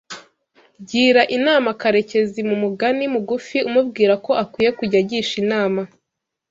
Gira inama Karekezi mu mugani mugufi umubwira ko akwiye kujya agisha inama